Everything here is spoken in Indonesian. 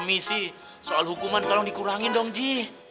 mau minta lengkel hukuman tolong di kurangin dong ji